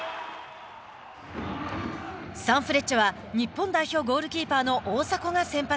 サンフレッチェは、日本代表ゴールキーパーの大迫が先発。